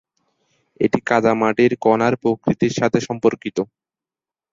এটি কাদামাটির কণার প্রকৃতির সাথে সম্পর্কিত।